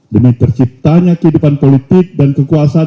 demi terciptanya kehidupan politik dan kekuasaan